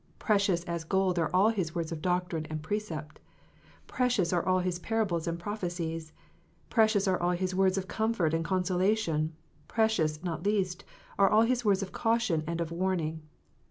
Precious as gold are all His words of doctrine and ^ precept ; precious are all His parables and prophecies ; precious are all His words of comfort and of consolation; precious, not least, are all His words of caution and of warning.